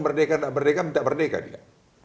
berdeka atau tidak berdeka minta berdeka dia